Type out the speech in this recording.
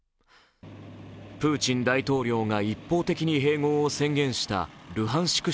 プーチン大統領が一方的に併合を宣言したルハンシク